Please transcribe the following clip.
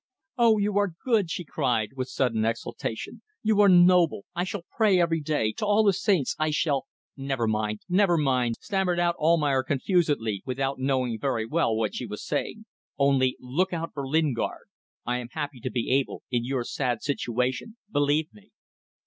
"Oh, you are good!" she cried, with sudden exaltation, "You are noble ... I shall pray every day ... to all the saints ... I shall ..." "Never mind ... never mind!" stammered out Almayer, confusedly, without knowing very well what he was saying. "Only look out for Lingard. ... I am happy to be able ... in your sad situation ... believe me.